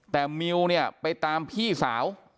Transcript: แต่มิวเนี่ยไปตามพี่สาว